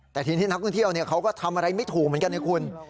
แต่ทีนี้นักท่องเที่ยวเขาก็ทำอะไรไม่ถูกเหมือนกันนะคุณ